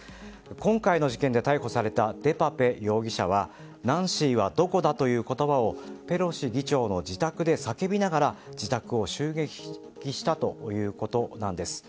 今回の事件で逮捕されたデパペ容疑者はナンシーはどこだという言葉をペロシ議長の自宅で叫びながら自宅を襲撃したということです。